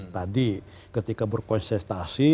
tadi ketika berkonsentrasi